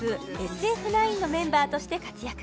ＳＦ９のメンバーとして活躍